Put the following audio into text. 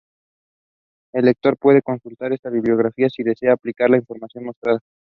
El lector puede consultar esta bibliografía si desea ampliar la información mostrada.